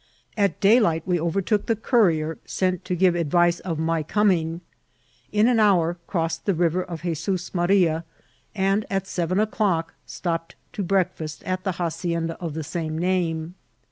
At day light we overtook the couri^ sent to give advice of my AMOTHBR PATIBMT. 848 coming ; in an honr oroMed the riTer of Jesut Maria, and at Beven o'clock stopped to hreakfaat at the hacien* da of the same name.